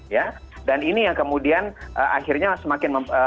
ya dan ini yang kemudian akhirnya semakin